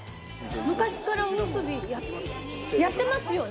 昔からおむすびやってますよね？